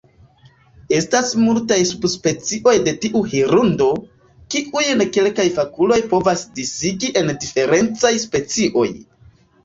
Estas multaj subspecioj de tiu hirundo, kiujn kelkaj fakuloj povas disigi en diferencaj specioj.